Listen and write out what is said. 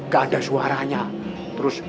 gak ada suaranya terus